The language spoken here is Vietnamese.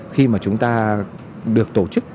khi mà chúng ta được tổ chức